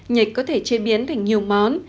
nhạch có thể chế biến thành nhiều món